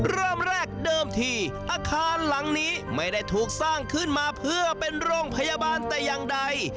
เริ่มแรกเดิมทีอาคารหลังนี้ไม่ได้ถูกสร้างขึ้นมาเพื่อเป็นโรงพยาบาลแต่อย่างใด